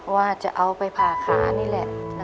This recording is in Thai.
ว่าจะเอาไปผ่าขานี่แหละ